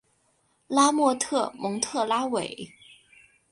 拉莫特蒙特拉韦。